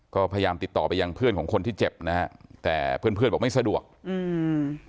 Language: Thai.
ก็พยายามติดต่อไปยังเพื่อนของคนที่เจ็บนะฮะแต่เพื่อนเพื่อนบอกไม่สะดวกอืม